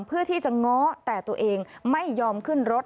เพื่อที่จะง้อแต่ตัวเองไม่ยอมขึ้นรถ